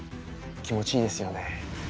気持ちいいですよね。